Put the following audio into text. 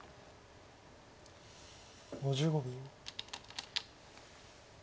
５５秒。